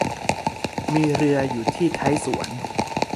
มีเรืออยู่ที่ท้ายสวน